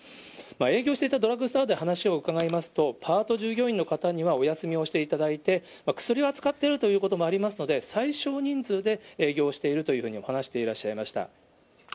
営業していたドラッグストアで話を伺いますと、パート従業員の方にはお休みをしていただいて、薬を扱っているということもありますので、最少人数で営業しているというふうに話していらっしゃいました。